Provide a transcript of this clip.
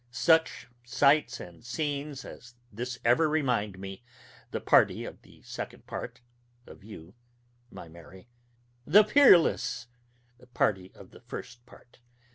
Such sights and scenes as this ever remind me, the party of the second part, of you, my Mary, the peerless party of the first part.